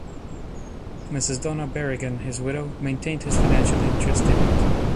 Mrs. Donna Berigan, his widow, maintained his financial interest in it.